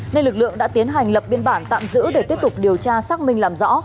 nên lực lượng đã tiến hành lập biên bản tạm giữ để tiếp tục điều tra xác minh làm rõ